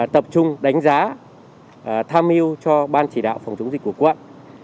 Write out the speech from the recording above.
tập trung đánh giá tham mưu cho ban chỉ đạo phòng chống dịch của quận